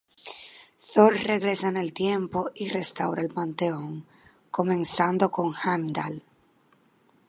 Thor regresa en el tiempo y restaura el panteón, comenzando con Heimdall.